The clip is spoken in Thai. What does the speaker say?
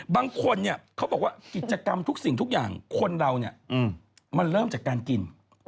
บางคนเนี่ยเขาบอกว่ากิจกรรมทุกสิ่งทุกอย่างคนเราเนี่ยมันเริ่มจากการกิน